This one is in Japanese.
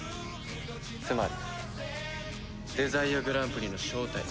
つまりデザイアグランプリの正体は。